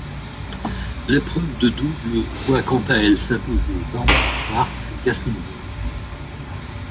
L'épreuve de double voit quant à elle s'imposer Barbara Schwartz et Jasmin Wöhr.